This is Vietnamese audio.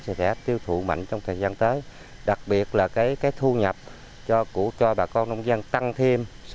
sẽ tiêu thụ mạnh trong thời gian tới